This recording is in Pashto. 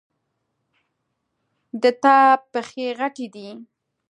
د تا پښې غټي دي